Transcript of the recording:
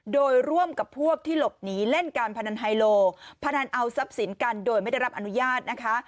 โดยร่วมกับพวกที่หลบหนีเล่นการพนันไฮโลพนันเอาทรัพย์สินกันโดยไม่ได้รับอนุญาตนะคะ